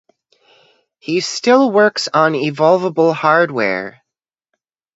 He still works on evolvable hardware.